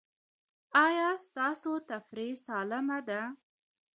ایا ستاسو تفریح سالمه ده؟